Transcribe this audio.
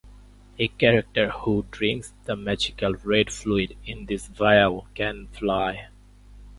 A character who drinks the magical red fluid in this vial can fly.